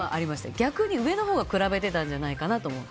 逆に上のほうが比べてたんじゃないかと思う。